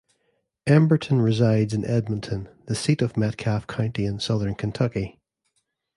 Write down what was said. Emberton resides in Edmonton, the seat of Metcalfe County in southern Kentucky.